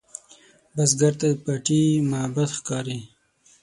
بزګر ته پټي معبد ښکاري